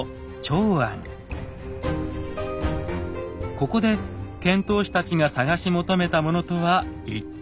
ここで遣唐使たちが探し求めたものとは一体？